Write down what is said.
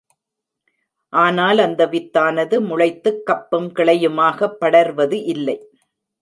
ஆனால் அந்த வித்தானது முளைத்துக் கப்பும் கிளையுமாகப் படர்வது இல்லை.